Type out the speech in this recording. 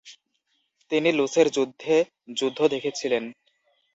তিনি লুসের যুদ্ধে যুদ্ধ দেখেছিলেন।